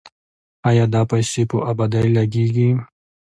آیا دا پیسې په ابادۍ لګیږي؟